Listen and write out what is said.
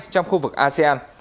trong khu vực asean